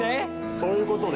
そういうことね。